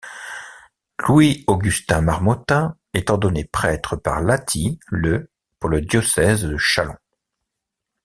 Louis-Augustin Marmottin est ordonné prêtre par Latty le pour le diocèse de Châlons.